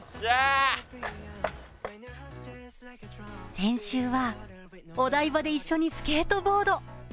先週は、お台場で一緒にスケートボード。